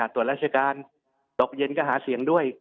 ตรวจราชการตกเย็นก็หาเสียงด้วย